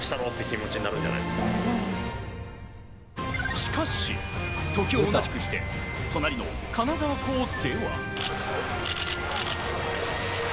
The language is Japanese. しかし、時を同じくして隣の金沢港では。